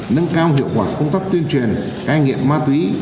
nâng cao hiệu quả công tác tuyên truyền cai nghiện ma túy